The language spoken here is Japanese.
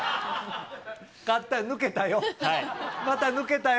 勝ったよ、抜けたよ。